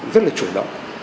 rất là chủ động